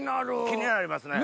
気になりますね。